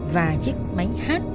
và chiếc máy hát